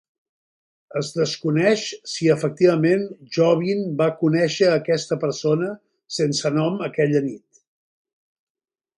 Es desconeix si efectivament Jovin va conèixer aquesta persona sense nom aquella nit.